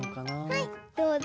はいどうぞ。